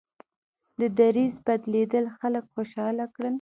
د دریځ بدلېدل خلک خوشحاله کړل.